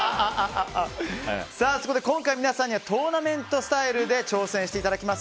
そこで今回皆さんにはトーナメントスタイルで挑戦していただきます。